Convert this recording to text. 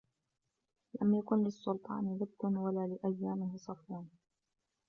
لَمْ يَكُنْ لِلسُّلْطَانِ لُبْثٌ وَلَا لِأَيَّامِهِ صَفْوٌ